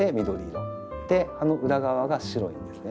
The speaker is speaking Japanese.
葉の裏側が白いんですね。